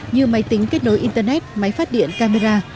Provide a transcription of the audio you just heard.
như máy tính kết nối internet máy phát điện camera